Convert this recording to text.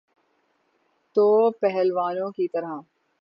تو پہلوانوں کی طرح۔